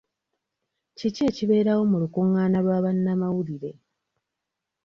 Kiki ekibeerawo mu lukungaana lwa bannamawulire?